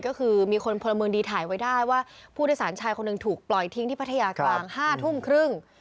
ก็คือมีคนพลเมืองดีถ่ายไว้ได้ว่าผู้โดยสารชายคนหนึ่งถูกปล่อยทิ้งที่พัทยากลาง๕ทุ่มครึ่ง